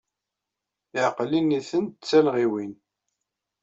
Iɛeqqel ini-ten ed talɣiwin.